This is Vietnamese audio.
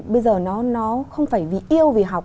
bây giờ nó không phải vì yêu vì học